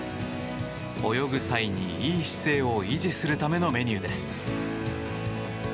泳ぐ際にいい姿勢を維持するためのメニューです。